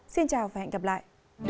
xin chào và hẹn gặp lại